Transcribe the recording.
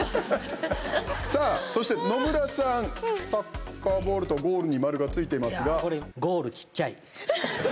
さあ、そして、野村さんサッカーボールとゴールに丸がついていますが。